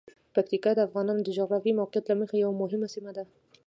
پکتیکا د افغانانو د جغرافیايی موقعیت له مخې یوه مهمه سیمه ده.